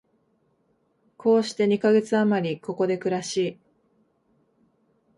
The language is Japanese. こうして二カ月あまり、ここで暮らし、